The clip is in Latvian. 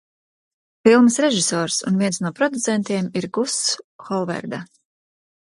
Filmas režisors un viens no producentiem ir Guss Holverda.